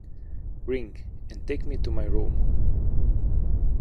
Ring, and take me to my room!